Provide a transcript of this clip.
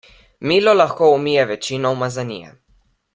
Milo lahko umije večino umazanije.